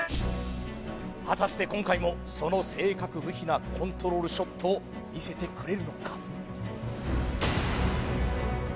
果たして今回もその正確無比なコントロールショットを見せてくれるのか？